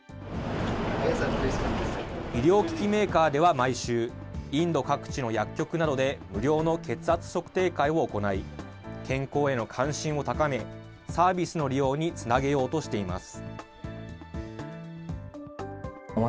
医療機器メーカーでは毎週、インド各地の薬局などで無料の血圧測定会を行い、健康への関心を高め、サービスの利用につなげようとしています。